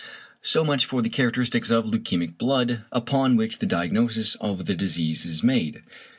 So much for the characteristics of leukæmic blood, upon which the diagnosis of the disease is made.